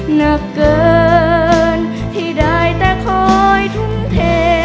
หนักเกินที่ได้แต่คอยทุ่มเท